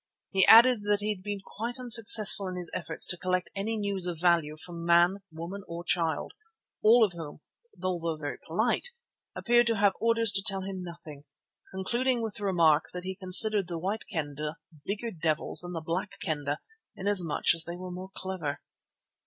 He added that he had been quite unsuccessful in his efforts to collect any news of value from man, woman or child, all of whom, although very polite, appeared to have orders to tell him nothing, concluding with the remark that he considered the White Kendah bigger devils than the Black Kendah, inasmuch as they were more clever.